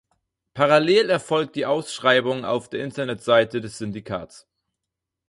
Parallel erfolgt die Ausschreibung auf der Internetseite des Syndikats.